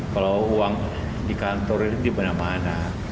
kalau uang di kantor itu di mana mana